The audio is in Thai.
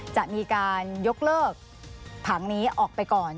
จะมีการยกเลิกผังนี้ออกไปก่อน